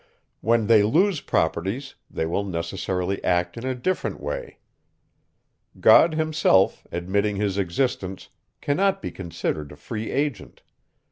When they lose properties, they will necessarily act in a different way. God himself, admitting his existence, cannot be considered a free agent.